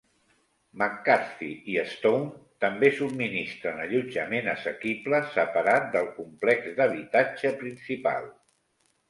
McCarthy i Stone també subministren allotjament assequible separat del complex d'habitatge principal.